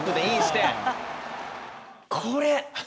これ。